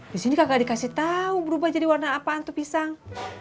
di sini kagak dikasih tahu berubah jadi warna apaan untuk pisang